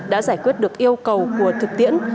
đã giải quyết được yêu cầu của thực tiễn